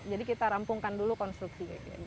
jadi kita rampungkan dulu konstruksi